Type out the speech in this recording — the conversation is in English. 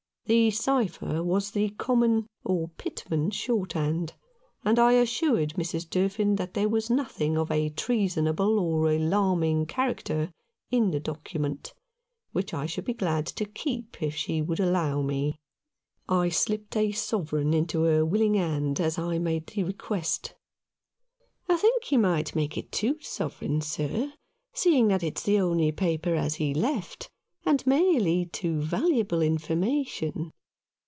The cypher was the common, or Pitman, short hand, and I assured Mrs. Durfin that there was nothing of a treasonable or alarming character in 191 Rough Justice. the document, which I should be glad to keep, if she would allow me. I slipped a sovereign into her willing hand as I made the request. " I think you might make it two sovereigns, sir, seeing that it's the only paper as he left, and may lead to valuable information."